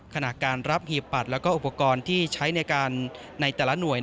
ขณะการรับหีบบัตรและอุปกรณ์ที่ใช้ในการในแต่ละหน่วย